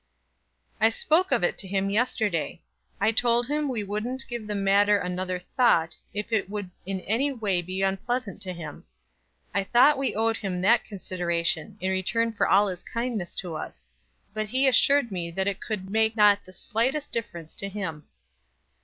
"I spoke of it to him yesterday. I told him we would't give the matter another thought if it would be in any way unpleasant to him. I thought we owed him that consideration in return for all his kindness to us; but he assured me that it could make not the slightest difference to him."